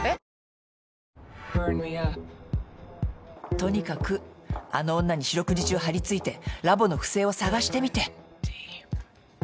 とにかくあの女に四六時中張り付いてラボの不正を探してみて。